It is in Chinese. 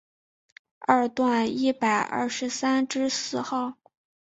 二段一百二十三之四号